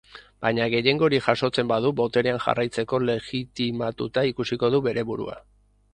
Baina gehiengo hori jasotzen badu boterean jarraitzeko legitimatuta ikusiko du bere burua.